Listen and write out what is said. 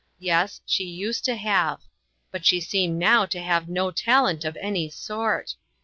Yes, she used to have ; but she seemed now to have no talent of any sort.